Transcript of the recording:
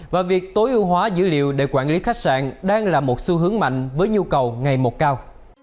và việc tối ưu hóa dữ liệu để quản lý khách sạn đang là một xu hướng mạnh với nhu cầu ngày một cao